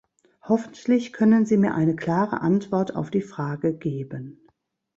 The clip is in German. Hoffentlich können Sie mir eine klare Antwort auf die Frage geben.